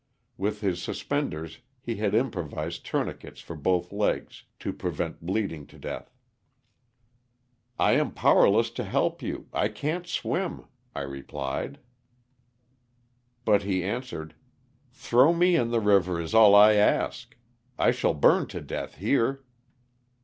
With his suspenders he had improvised tourniquets for both legs, to prevent bleeding to death. " I am powerless to help you ; I can't swim," I replied. 118 LOSS OF THE SULTANA. But he answered, *' Throw me in the river is all I ask ; I shall burn to death here."